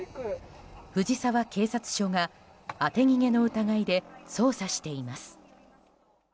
藤沢警察署が当て逃げの疑いで捜査しています。